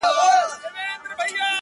• چي ته بېلېږې له مست سوره څخه ـ